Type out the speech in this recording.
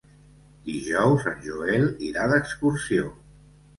Dijous en Joel irà d'excursió.